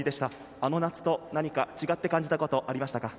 あの夏と、何か違って感じたことはありましたか？